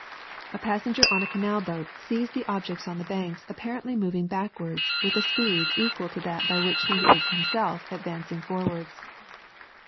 A passenger on a canal boat sees the objects on the banks apparently moving backward with a speed equal to that by which he is himself advancing forwards.